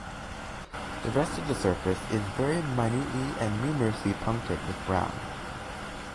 The rest of the surface is very minutely and numerously punctate with brown.